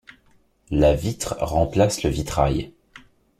La vitre remplace le vitrail.